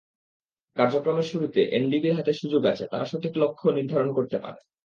কার্যক্রমের শুরুতে এনডিবির হাতে সুযোগ আছে, তারা সঠিক লক্ষ্য নির্ধারণ করতে পারে।